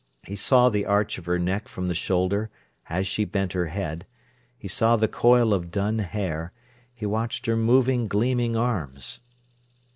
He saw the arch of her neck from the shoulder, as she bent her head; he saw the coil of dun hair; he watched her moving, gleaming arms.